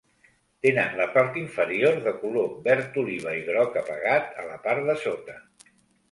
Tenen la part inferior de color verd oliva i groc apagat a la part de sota.